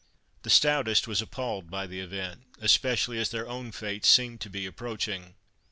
The stoutest was appalled by the event, especially as their own fate seemed to be approaching.